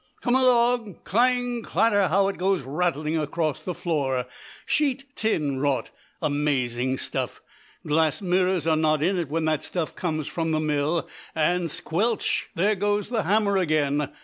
Come along! Clang, clatter, how it goes rattling across the floor! Sheet tin, Raut, amazing stuff. Glass mirrors are not in it when that stuff comes from the mill. And, squelch! there goes the hammer again.